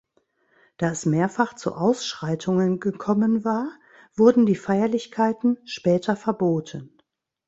Da es mehrfach zu Ausschreitungen gekommen war, wurden die Feierlichkeiten später verboten.